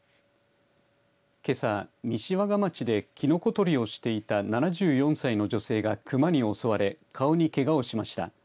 けさ西和賀町でキノコ採りをしていた７４歳の女性がクマに襲われ顔にけがをしました。